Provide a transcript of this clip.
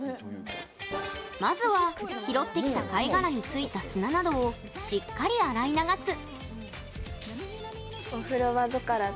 まずは、拾ってきた貝殻についた砂などをしっかり洗い流す。